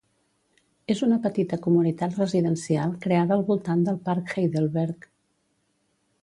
És una petita comunitat residencial creada al voltant del Parc Heidelberg.